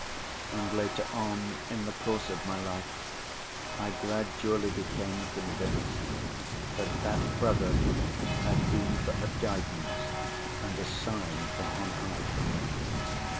And later on in the course of my life I gradually became convinced that that brother had been for a guidance and a sign from on high for me.